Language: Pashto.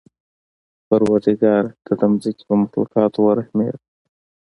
پروردګاره! ته د ځمکې په مخلوقاتو ورحمېږه.